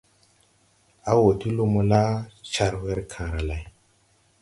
A wɔ ti lumo la, car wer kããra lay.